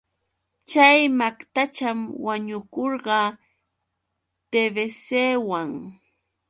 Chay maqtacham wañukurqa TBCwan.